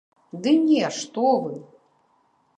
Ды не, што вы!